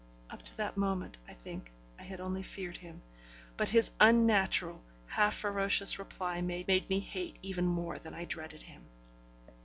Up to that moment, I think, I had only feared him, but his unnatural, half ferocious reply made me hate even more than I dreaded him.